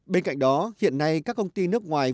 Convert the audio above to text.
bên cạnh đó hiện nay các công ty nước ngoài